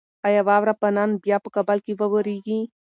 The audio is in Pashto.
ایا واوره به نن بیا په کابل کې وورېږي؟